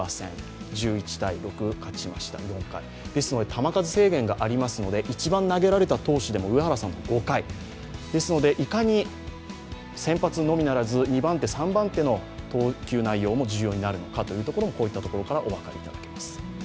球数制限がありますので、一番投げられた投手でも上原さんの５回、ですのでいかに先発のみならず２番手、３番手の投球内容も重要になるのかというのもこういったところからお分かりいただけます。